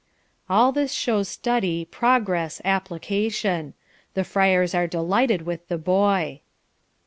All this shows study, progress, application. The friars are delighted with the boy.